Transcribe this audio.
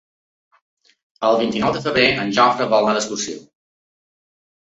El vint-i-nou de febrer en Jofre vol anar d'excursió.